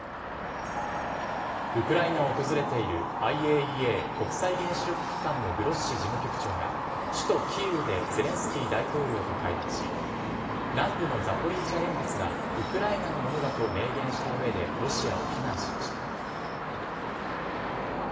ウクライナを訪れているＩＡＥＡ＝国際原子力機関のグロッシ事務局長が首都・キーウでゼレンスキー大統領と会談し南部のザポリージャ原発がウクライナのものだと明言した上でロシアを非難しました。